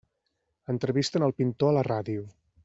Entrevisten el pintor a la ràdio.